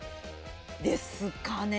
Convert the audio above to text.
ですかね。